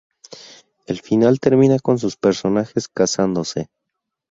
El final termina con sus personajes casándose.